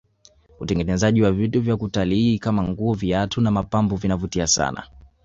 utengenezaji wa vitu vya kutalii Kama nguo viatu na mapambo vinavutia sana